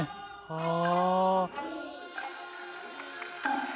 はあ。